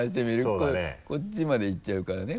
こっちまで行っちゃうからね